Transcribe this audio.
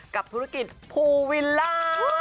กับธุรกิจภูวิลล่า